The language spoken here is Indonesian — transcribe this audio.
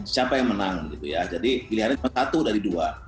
siapa yang menang gitu ya jadi pilihannya cuma satu dari dua